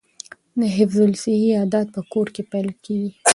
د حفظ الصحې عادات په کور کې پیل کیږي.